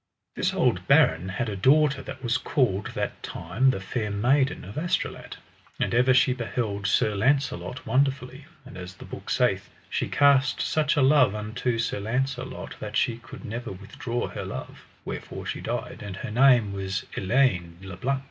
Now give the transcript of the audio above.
This old baron had a daughter that was called that time the Fair Maiden of Astolat. And ever she beheld Sir Launcelot wonderfully; and as the book saith, she cast such a love unto Sir Launcelot that she could never withdraw her love, wherefore she died, and her name was Elaine le Blank.